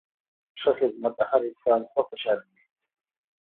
ښه خدمت د هر انسان زړه خوشحالوي.